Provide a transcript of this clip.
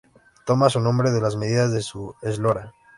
Toma su nombre de las medidas de su eslora.